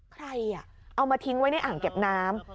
ใครเอามาทิ้งไว้ในอ่างเก็บน้ำ